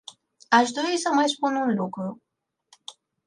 Aș dori să mai spun un lucru.